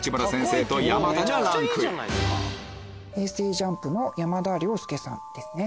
ＪＵＭＰの山田涼介さんですね。